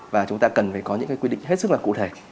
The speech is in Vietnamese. và chúng ta cần phải có những quy định hết sức là cụ thể